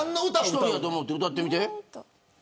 １人だと思って歌ってみて。